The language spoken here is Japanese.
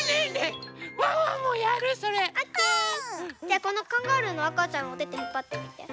じゃあこのカンガルーのあかちゃんをおててひっぱってみて。